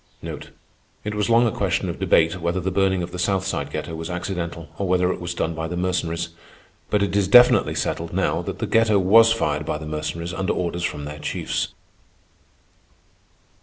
It was long a question of debate, whether the burning of the South Side ghetto was accidental, or whether it was done by the Mercenaries; but it is definitely settled now that the ghetto was fired by the Mercenaries under orders from their chiefs.